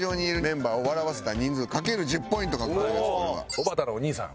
おばたのお兄さん。